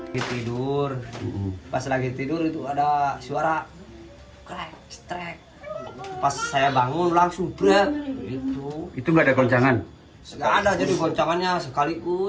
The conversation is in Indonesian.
jadi hancur semuanya